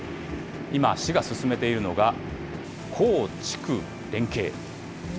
今、市が進めているのが、耕畜連携。